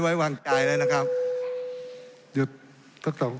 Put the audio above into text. ทั้งสองกรณีผลเอกประยุทธ์